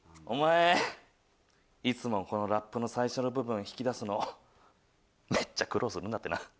お前いつもこのラップの最初の部分引き出すのめっちゃ苦労するんだってな。